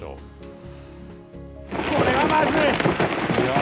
これはまずい！